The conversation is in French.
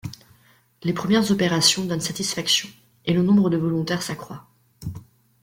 Les premières opérations donnent satisfaction, et le nombre de volontaires s'accroit.